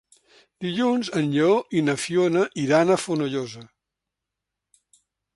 Dilluns en Lleó i na Fiona iran a Fonollosa.